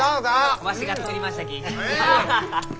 わしが作りましたき。